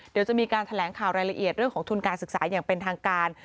เดี๋ยวจะมีการแถลงข่าวรายละเอียดเรื่องของทุนการศึกษาอย่างเป็นทางการ